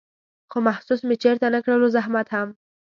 خو محسوس مې چېرته نه کړلو زحمت هم